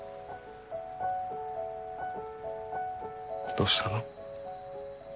どうしたの？